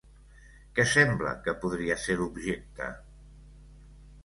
Què sembla que podria ser l'objecte?